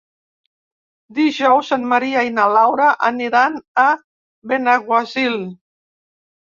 Dijous en Maria i na Laura aniran a Benaguasil.